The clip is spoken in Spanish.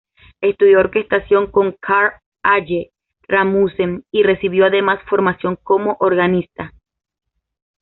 Estudió orquestación con Karl Aage Rasmussen y recibió además formación como organista.